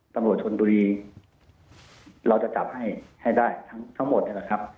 ตำรวจชนบุรีเราจะจับให้ได้ทั้งหมดนะครับ